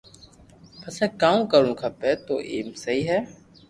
پسي ڪاو ُ ڪروُ کپي تو ايم سھي ھي